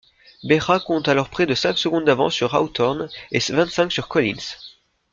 Behra compte alors près de cinq secondes d'avance sur Hawthorn et vingt-cinq sur Collins.